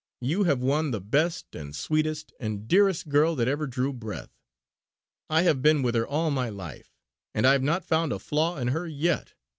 You have won the best, and sweetest, and dearest girl that ever drew breath. I have been with her all my life; and I have not found a flaw in her yet.